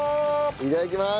いただきます。